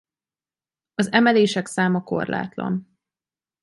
Az emelések száma korlátlan.